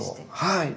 はい。